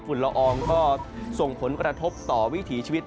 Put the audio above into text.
ละอองก็ส่งผลกระทบต่อวิถีชีวิต